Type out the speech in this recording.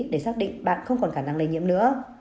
để xác định bạn không còn khả năng lây nhiễm nữa